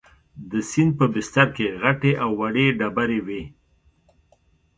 د سیند په بستر کې غټې او وړې ډبرې وې.